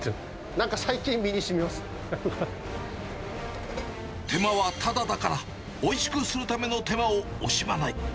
なんか最近、手間はただだから、おいしくするための手間を惜しまない。